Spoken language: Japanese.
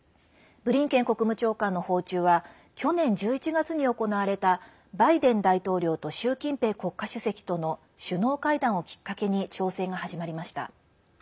ブリンケン国務長官の訪中は去年１１月に行われたバイデン大統領と習近平国家主席との首脳会談をきっかけに調整が始まりました。